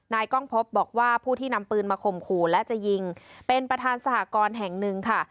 กล้องพบบอกว่าผู้ที่นำปืนมาข่มขู่และจะยิงเป็นประธานสหกรณ์แห่งหนึ่งค่ะ